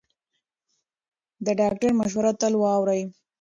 د ډاکټر مشوره تل واورئ.